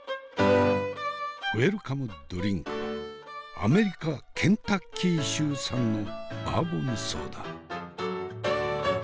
ウェルカムドリンクはアメリカ・ケンタッキー州産のバーボンソーダ。